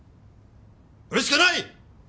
それしかない！